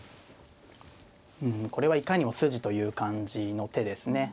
うんこれはいかにも筋という感じの手ですね。